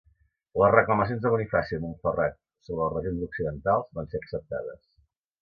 Les reclamacions de Bonifaci de Montferrat sobre les regions occidentals van ser acceptades.